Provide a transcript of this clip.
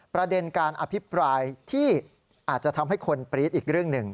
ประเด็นการอภิปรายที่อาจจะทำให้คนปรี๊ดอีกเรื่องหนึ่ง